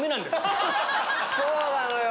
そうなのよ